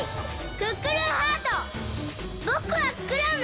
クックルンハートぼくはクラム！